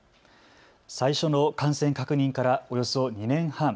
最初の感染確認からおよそ２年半。